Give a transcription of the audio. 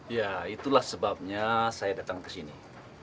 ya itulah sebabnya saya datang ke sini